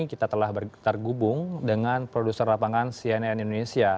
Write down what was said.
kita telah bergitar gubung dengan produser lapangan cnn indonesia